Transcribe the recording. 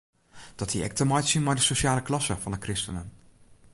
Dat hie ek te meitsjen mei de sosjale klasse fan de kristenen.